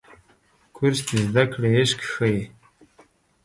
کورس د زده کړې عشق ښيي.